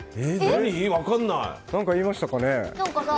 何か言いましたかね。